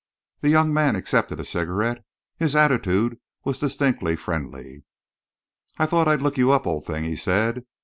The young man accepted a cigarette. His attitude was distinctly friendly. "Thought I'd look you up, old thing," he said.